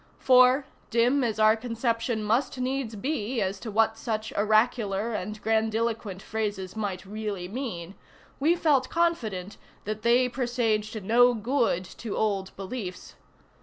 For, dim as our conception must needs be as to what such oracular and grandiloquent phrases might really mean, we felt confident that they presaged no good to old beliefs.